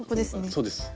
そうですね。